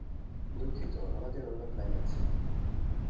দুঃখিত, আমাদের অন্য প্ল্যান আছে।